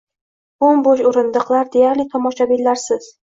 Bo‘m-bo‘sh o‘rindiqlar, deyarli tomoshabinlarsiz.